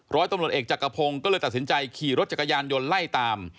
ร้อยตำรวจเอกจักรพงศ์ก็เลยตัดสินใจขี่รถจักรยานยนต์ไล่ตาม